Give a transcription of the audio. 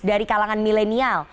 dari kalangan milenial